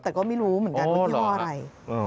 แต่ก็ไม่รู้เหมือนกันว่ายี่ห้ออะไร